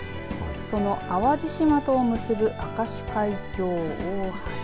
その淡路島とを結ぶ明石海峡大橋。